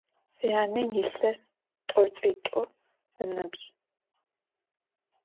Сянэ илъэс тӏокӏитӏу ыныбжь.